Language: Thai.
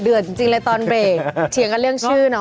จริงเลยตอนเบรกเถียงกันเรื่องชื่อเนอ